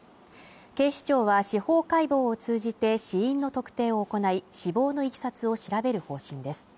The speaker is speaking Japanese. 警視庁は司法解剖を通じて死因の特定を行い、死亡のいきさつを調べる方針です。